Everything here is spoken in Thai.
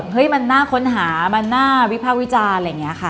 เฮ้ยมันน่าค้นหามันน่าวิภาควิจารณ์อะไรอย่างนี้ค่ะ